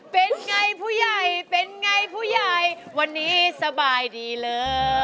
เป็นไงผู้ใหญ่เป็นไงผู้ใหญ่วันนี้สบายดีเลย